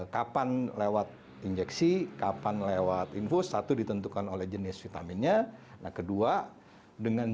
kapan lewat injeksi kapan lewat infus satu ditentukan oleh jenis vitaminnya nah kedua dengan